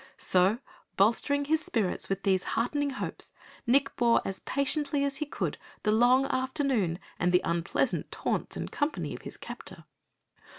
So, bolstering his spirits with these heartening hopes, Nick bore as patiently as he could the long afternoon and the unpleasant taunts and company of his captor.